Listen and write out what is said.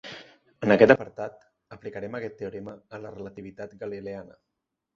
En aquest apartat, aplicarem aquest teorema a la Relativitat Galileana.